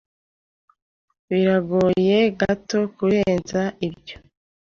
Biragoye gato kurenza ibyo.